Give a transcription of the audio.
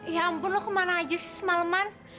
ya ampun lo kemana aja sih semaleman